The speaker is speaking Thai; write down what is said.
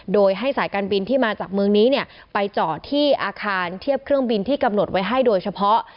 โดยให้สายการบินที่มาจากเมืองนี้ไปจอดที่อาคารเทียบเครื่องบินที่กำหนดไว้ให้โดยเฉพาะ